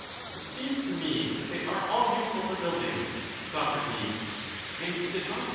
It seems to me that they are all useful for building. Soc. And is it not tru.